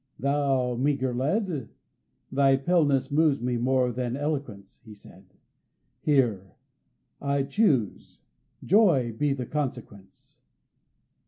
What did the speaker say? "Thou meagre lead, thy paleness moves me more than eloquence," he said. "Here I choose; joy be the consequence!"